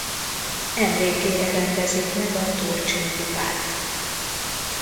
Emlékére rendezik meg a Turcsin-kupát.